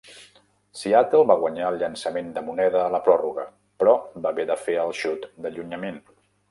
Seattle va guanyar el llançament de moneda a la pròrroga, però va haver de fer el xut d'allunyament.